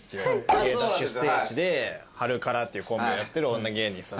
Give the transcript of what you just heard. ケイダッシュステージでハルカラっていうコンビをやってる女芸人さん。